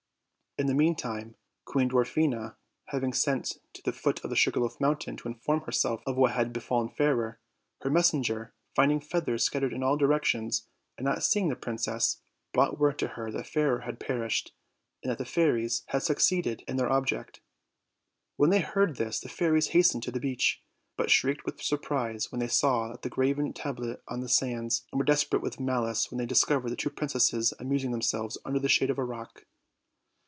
In the meantime, Queen Dwarfina, having sent to the foot of the Sugar Loaf Mountain to inform herself of what had befallen Fairer, her messenger, finding feathers scattered in all directions, and not seeing the princess, brought word to her that Fairer had perished, and that the fairies had succeeded in their object. When they heard this the fairies hastened to the beach, but shrieked with surprise when they saw the graven tablet on the sands, and were desperate with malice when they discovered the two princesses amusing them selves under the shade of a rock.